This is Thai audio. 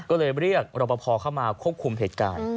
ก็เลยเรียกรับประพอเข้ามาควบคุมเหตุการณ์